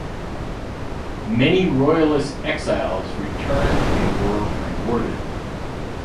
Many Royalist exiles returned and were rewarded.